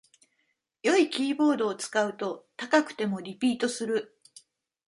良いキーボードを使うと高くてもリピートする